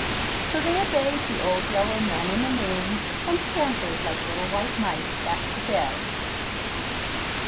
So they obeyed the old yellow Man in the Moon and scampered like little white mice back to bed.